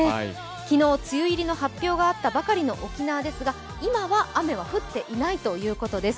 昨日、梅雨入りの発表があったばかりの沖縄ですが今は雨は降っていないということです。